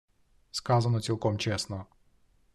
Сказано цілком чесно